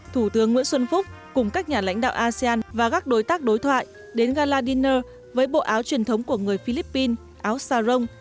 thủ tướng nguyễn xuân phúc cùng các nhà lãnh đạo asean và các đối tác đối thoại đến gala dinner với bộ áo truyền thống của người philippines áo sarong